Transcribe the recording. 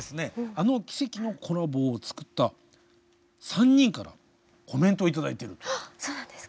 あの奇跡のコラボを作った３人からコメント頂いてるんです。